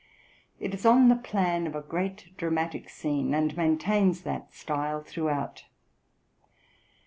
It is on the plan of a great dramatic scene, and maintains that style throughout.